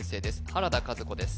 原田和子です